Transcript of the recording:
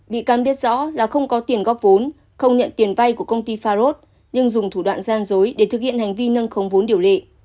bị can biết rõ là không có tiền góp vốn không nhận tiền vay của công ty farod nhưng dùng thủ đoạn gian dối để thực hiện hành vi nâng không vốn điều lệ